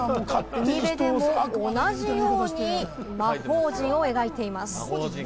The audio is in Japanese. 海辺でも同じように魔法陣を描いています。